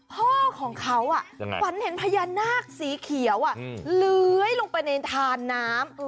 พ่อของเขาฝันเห็นพญานาคสีเขียวเลื้อยลงไปในทานน้ำ